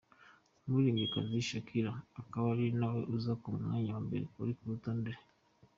Umuririmbyikazi Shakira akaba ariwe uza ku mwanya wa mbere kuri uru rutonde.